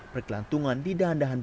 berkelantungan di dandahan belakang